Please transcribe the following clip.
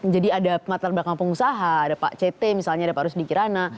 jadi ada latar belakang pengusaha ada pak cete misalnya pak rusdi kirana